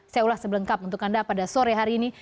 saya ulas sebelengkap untuk anda pada sore hari ini